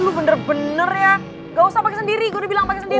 lo bener bener ya gausah pake sendiri gue udah bilang pake sendiri